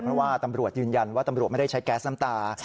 เพราะว่าตำรวจยืนยันว่าตำรวจไม่ได้ใช้แก๊สน้ำตา